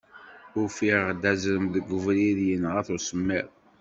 Ufiɣ-d azrem deg ubrid, yenɣa-t usemmiḍ.